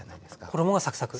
衣がサクサク。